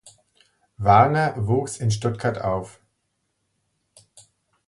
Varner wuchs in Stuttgart auf.